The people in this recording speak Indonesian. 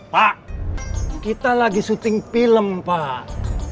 pak kita lagi syuting film pak